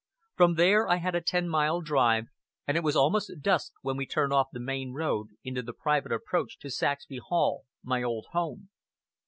From there I had a ten mile drive, and it was almost dusk when we turned off the main road into the private approach to Saxby Hall my old home.